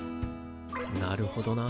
なるほどな。